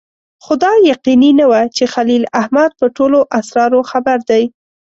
خو دا یقیني نه وه چې خلیل احمد په ټولو اسرارو خبر دی.